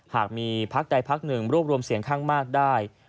หากมีพักใดพักหนึ่งรวบรวมเสียงข้างมากได้